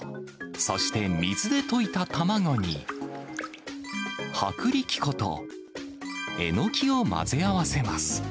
そして水で溶いた卵に、薄力粉とえのきを混ぜ合わせます。